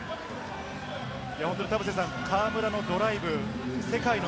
河村のドライブ、世界の